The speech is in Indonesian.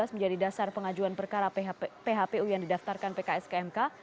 menjadi dasar pengajuan perkara phpu yang didaftarkan pks ke mk